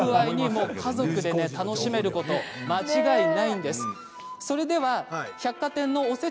家族で楽しめること間違いありません。